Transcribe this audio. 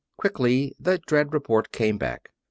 Quickly the dread report came back.